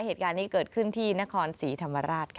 เหตุการณ์นี้เกิดขึ้นที่นครศรีธรรมราชค่ะ